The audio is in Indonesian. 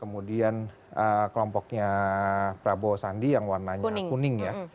kemudian kelompoknya prabowo sandi yang warnanya kuning ya